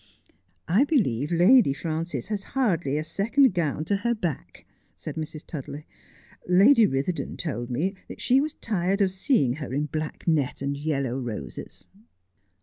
' I believe Lady Frances has hardly a second gown to her back,' said Mrs. Tudley ;' Lady Ritherdon told me that she was tired of seeing her in black net and yellow roses.'